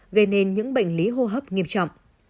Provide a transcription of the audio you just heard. gây nên những bệnh lý hô hấp nghiêm trọng